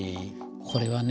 これはね